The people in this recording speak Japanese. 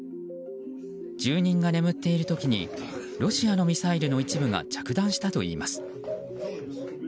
住人が眠っている時にロシアのミサイルの一部が着弾したといいます。